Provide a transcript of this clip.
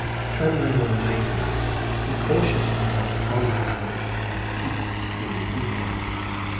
Trembling with amazement, he cautiously got upon his knees and peeped through the keyhole.